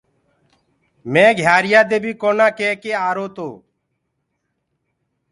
مي گھيآريآ دي بي ڪونآ ڪيڪي آرو تو